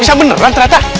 bisa beneran ternyata